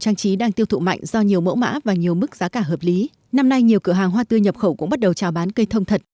năm nay nhiều cửa hàng hoa tươi nhập khẩu cũng bắt đầu trào bán cây thông thật